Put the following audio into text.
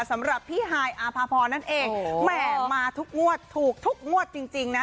สำหรับพี่ฮายอาภาพรนั่นเองแหมมาทุกงวดถูกทุกงวดจริงจริงนะ